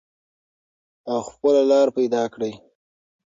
او خپله لار پیدا کړئ.